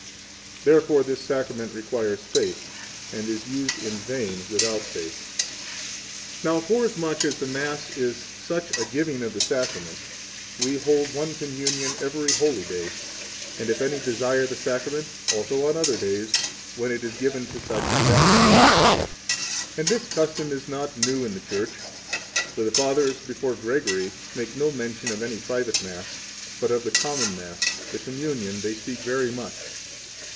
[Therefore this Sacrament requires faith, and is used in vain without faith.] 34 Now, forasmuch as the Mass is such a giving of the Sacrament, we hold one communion every holy day, and, if any desire the Sacrament, also on other days, when it is given to such as ask for it. 35 And this custom is not new in the Church; for the Fathers before Gregory make no mention of any private Mass, but of the common Mass [the Communion] they speak very much.